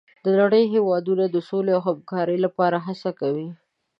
د نړۍ هېوادونه د سولې او همکارۍ لپاره هڅه کوي.